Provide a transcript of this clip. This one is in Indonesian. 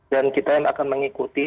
dan kita akan mengikuti